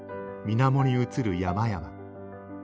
水面に映る山々。